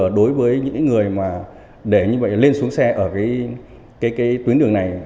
và đối với những người mà để như vậy lên xuống xe ở tuyến đường này